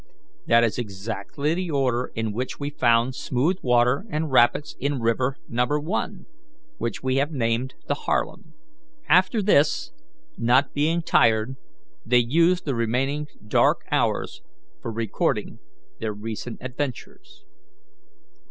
That is exactly the order in which we found smooth water and rapids in river No. 1, which we have named the Harlem." After this, not being tired, they used the remaining dark hours for recording their recent adventures.